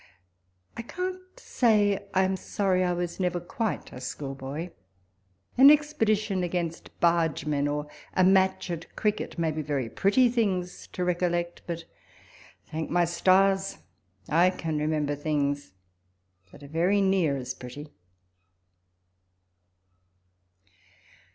I can't say I am sorry I was never quite a schoolboy : an expedition against bargemen, or a match at cricket, may be very pretty things to recollect ; but, thank my stars, I can remember things that are very near as pretty.